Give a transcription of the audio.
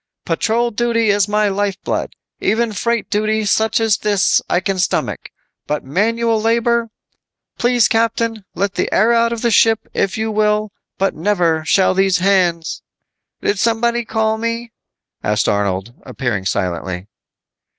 "Patrol duty is my lifeblood. Even freight duty such as this I can stomach. But manual labor! Please captain, let the air out of the ship, if you will, but never shall these hands " "Somebody call me?" asked Arnold, appearing silently.